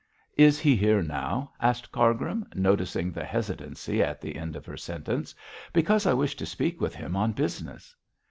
'Is he here now?' asked Cargrim, noticing the hesitancy at the end of her sentence; 'because I wish to speak with him on business.'